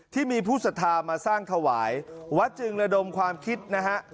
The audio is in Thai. ที่มีผู้สัทธามาสร้างถวายวัดจึงระดมความคิดนะฮะ